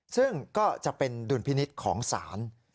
ซึ่งก็จะเป็นดุลพินิษฐ์ของศาล